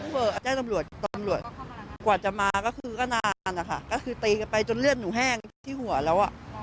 ก่อนจะมาก็คือก็นานนะคะก็คือตีกันไปจนเลือดหนูแห้งที่หัวแล้ว